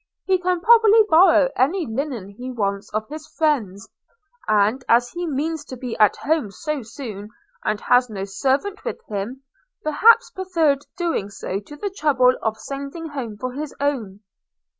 He can probably borrow any linen he wants of his friends; and, as he means to be at home so soon, and has no servant with him, perhaps preferred doing so to the trouble of sending home for his own.'